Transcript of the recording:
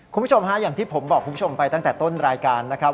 คุณผู้ชมฮะอย่างที่ผมบอกคุณผู้ชมไปตั้งแต่ต้นรายการนะครับ